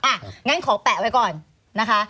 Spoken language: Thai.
งั้นขอแปะไว้ก่อนนะคะ